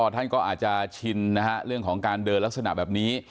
ท่านก็อาจจะชินนะฮะเรื่องของการเดินลักษณะแบบนี้